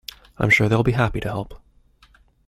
I'm sure they'll be happy to help.